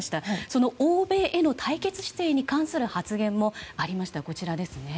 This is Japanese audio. その欧米への対決姿勢に関する発言もありました。